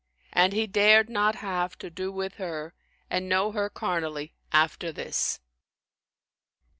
And he dared not have to do with her and know her carnally after this.